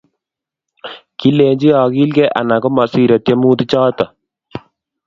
Kilenji agilge anan komasirei tyemutichoto.